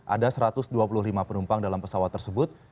ada satu ratus dua puluh lima penumpang dalam pesawat tersebut